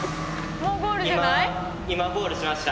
今今ゴールしました。